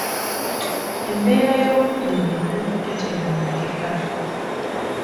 Embeera y'obudde leero tetegeerekeka.